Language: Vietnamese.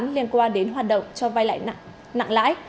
đầu vụ án liên quan đến hoạt động cho vay lãi nặng lãi